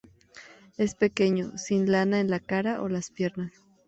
Es pequeño, sin lana en la cara o las piernas.